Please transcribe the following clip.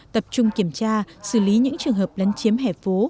tập trung kiểm tra xử lý những trường hợp lấn chiếm hẻ phố